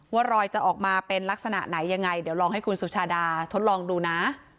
รอยจะออกมาเป็นลักษณะไหนยังไงเดี๋ยวลองให้คุณสุชาดาทดลองดูนะ